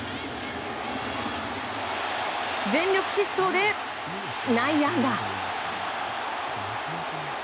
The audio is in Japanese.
全力疾走で内野安打！